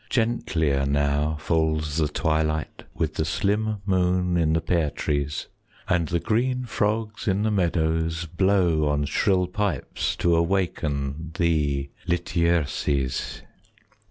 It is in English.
10 Gentlier now falls the twilight, With the slim moon in the pear trees; And the green frogs in the meadows Blow on shrill pipes to awaken Thee, Lityerses.